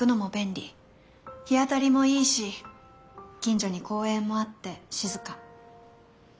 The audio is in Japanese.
日当たりもいいし近所に公園もあって静か。